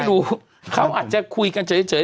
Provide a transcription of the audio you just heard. รู้เขาอาจจะคุยกันเฉย